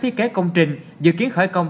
thiết kế công trình dự kiến khởi công